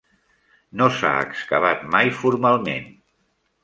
No s'ha excavat mai formalment.